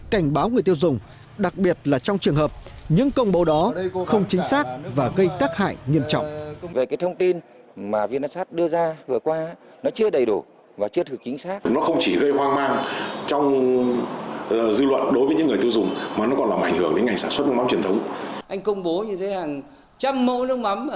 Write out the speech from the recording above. cảnh báo người tiêu dùng đặc biệt là trong trường hợp những công bố đó không chính xác và gây tác hại nghiêm trọng